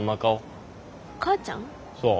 そう。